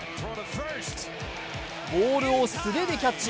ボールを素手でキャッチ。